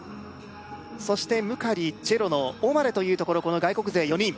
そしてムカリチェロノオマレというところこの外国勢４人